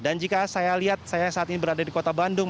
dan jika saya lihat saya saat ini berada di kota bandung